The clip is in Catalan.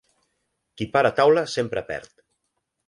Qui para taula sempre perd.